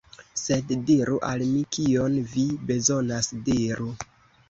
Sed diru al mi kion vi bezonas. Diru!